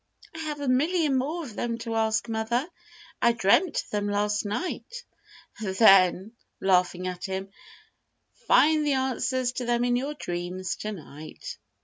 "I have a million more of them to ask, mother. I dreamt of them last night." "Then," laughing at him, "find the answers to them in your dreams to night."